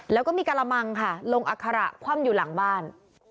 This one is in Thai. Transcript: แล้วก็มีกระมังค่ะลงอัคระคว่ำอยู่หลังบ้าน